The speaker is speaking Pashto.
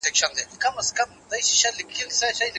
چا په غوږ کي را ویله ویده نه سې بندیوانه